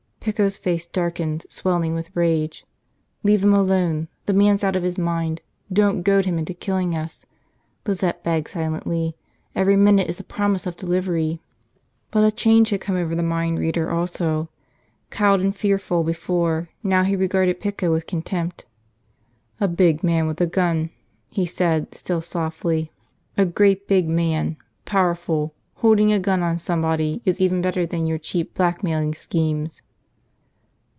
Pico's face darkened, swelling with rage. Leave him alone, the man's out of his mind, don't goad him into killing us, Lizette begged silently, every minute is a promise of delivery! But a change had come over the mind reader also. Cowed and fearful before, now he regarded Pico with contempt. "A big man with a gun," he said, still softly, "a great big man. Powerful. Holding a gun on somebody is even better than your cheap blackmailing schemes."